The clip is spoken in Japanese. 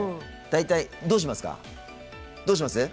大体、どうしますか？